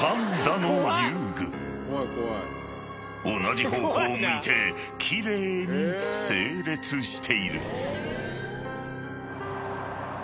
［同じ方向を向いて奇麗に整列している］